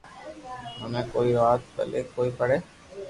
منو ڪوئي وات پلي ڪوئي پڙي